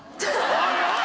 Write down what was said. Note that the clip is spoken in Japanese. おいおい